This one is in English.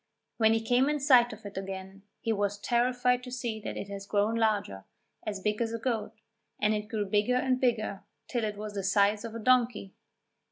When he came in sight of it again, he was terrified to see that it had grown larger as big as a goat and it grew bigger and bigger till it was the size of a donkey!